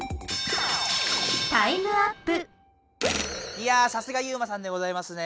いやさすがユウマさんでございますね。